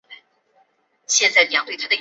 兴建了在各种教学楼中间的公用绿地。